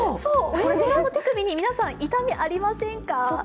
親指側の手首に、皆さん、痛みありませんか？